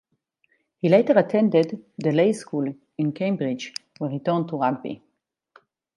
He later attended The Leys School in Cambridge, where he turned to rugby.